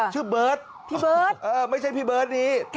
ชื่อเบิร์ดพี่เบิร์ดเออไม่ใช่พี่เบิร์ดนี้